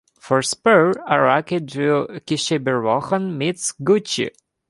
For "Spur", Araki drew "Kishibe Rohan meets Gucci.